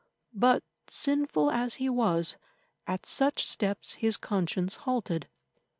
But sinful as he was, at such steps his conscience halted.